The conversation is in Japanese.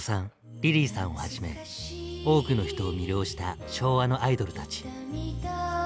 リリーさんをはじめ多くの人を魅了した昭和のアイドルたち。